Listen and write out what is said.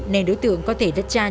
nên đối tượng có thể đất trai